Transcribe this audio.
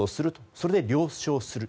それで了承する。